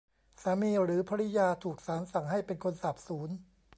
สามีหรือภริยาถูกศาลสั่งให้เป็นคนสาบสูญ